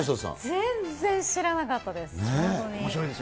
全然知らなかったです。